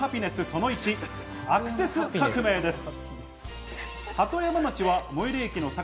その１、アクセス革命です。